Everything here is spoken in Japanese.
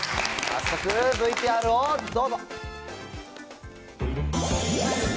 早速ＶＴＲをどうぞ。